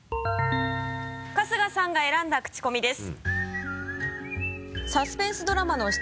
春日さんが選んだクチコミです。